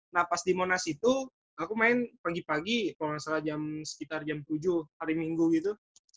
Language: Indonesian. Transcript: nah pas di monas itu aku main pagi pagi kalau nggak salah jam sekitar jam tujuh hari minggu gitu